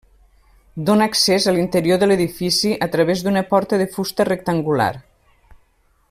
Dóna accés a l'interior de l'edifici a través d'una porta de fusta rectangular.